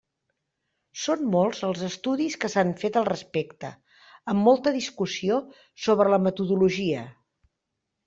Són molts els estudis que s'han fet al respecte, amb molta discussió sobre la metodologia.